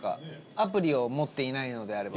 アプリを持っていないのであれば。